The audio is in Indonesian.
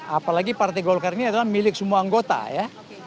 apalagi partai golkar ini adalah milik semua anggota ya